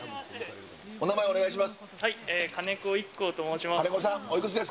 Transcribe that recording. お名前お願いします。